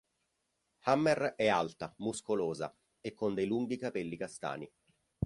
Hammer è alta, muscolosa e con dei lunghi capelli castani.